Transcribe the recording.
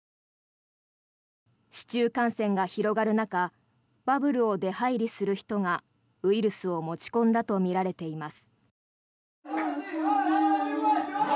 市中感染が広がる中バブルを出入りする人がウイルスを持ち込んだとみられています。